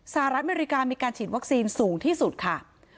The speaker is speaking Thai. สหรัฐอเมริกามีการฉีดวัคซีนสูงที่สุดค่ะ